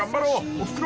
［おふくろ